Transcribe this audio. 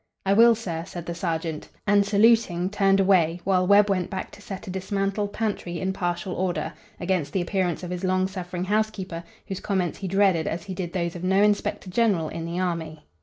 "I will, sir," said the sergeant, and saluting turned away while Webb went back to set a dismantled pantry in partial order, against the appearance of his long suffering house keeper, whose comments he dreaded as he did those of no inspector general in the army.